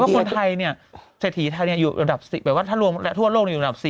แปลว่าคนไทยเนี่ยเสร็จถีไทยอยู่ระดับ๑๐แบบว่าทั่วโลกอยู่ระดับ๑๐